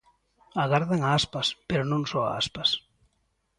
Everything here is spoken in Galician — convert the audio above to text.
Agardan a Aspas, pero non só a Aspas.